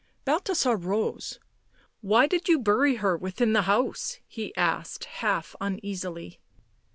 Balthasar rose. " Why did you bury her within the house?" he asked half uneasily.